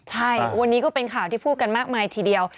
ใช่วันนี้ก็เป็นข่าวที่พูดกันมากมายทีเดียว